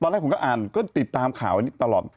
แรกผมก็อ่านก็ติดตามข่าวนี้ตลอด